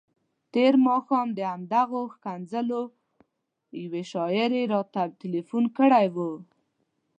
تېر ماښام د همدغو ښکنځلو یوې شاعرې راته تلیفون کړی وو.